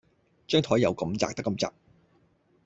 張檯有咁窄得咁窄